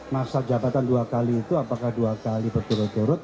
masa jabatan dua kali itu apakah dua kali berturut turut